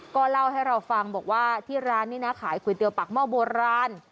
ก็เล่าให้เราฟังบอกว่าที่ร้านนี้นะขายก๋วยเตี๋ยวปากหม้อโบราณ